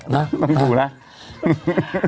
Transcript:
มันดูแล้วนะ